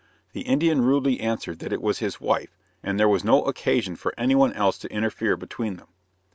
The Indian rudely answered that it was his wife, and there was no occasion for anyone else to interfere between them.